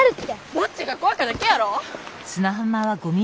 ぼっちがこわかだけやろ。